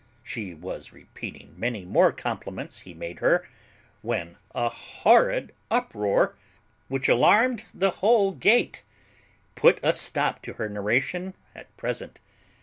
She was repeating many more compliments he made her, when a horrid uproar, which alarmed the whole gate, put a stop to her narration at present.